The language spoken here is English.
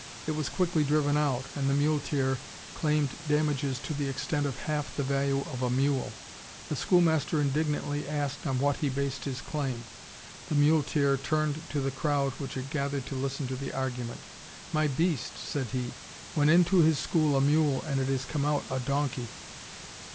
It was quickly driven out, and the muleteer claimed damages to the extent of half the value of a mule. The schoolmaster indignantly asked on what he based his claim. The muleteer turned to the crowd which had gathered to listen to the argument. "My beast," said he, "went into his school a mule and it has come out a donkey."